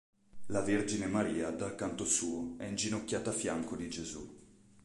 La Vergine Maria dal canto suo è inginocchiata a fianco di Gesù.